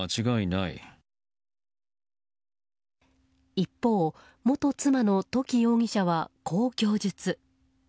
一方、元妻の土岐容疑者はこう供述。